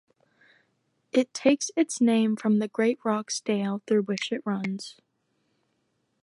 It takes its name from the Great Rocks Dale through which it runs.